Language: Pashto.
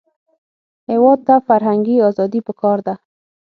هېواد ته فرهنګي ازادي پکار ده